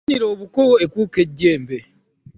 Erwanira ebuko ekuuma ejjembe.